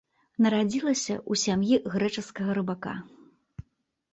Нарадзілася ў сям'і грэчаскага рыбака.